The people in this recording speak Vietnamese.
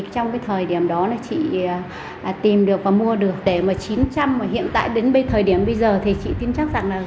trong thời điểm đó chị tìm được và mua được để chín trăm linh và hiện tại đến thời điểm bây giờ thì chị tin chắc rằng là